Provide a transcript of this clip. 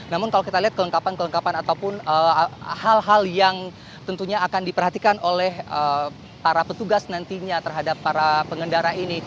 namun kalau kita lihat kelengkapan kelengkapan ataupun hal hal yang tentunya akan diperhatikan oleh para petugas nantinya terhadap para pengendara ini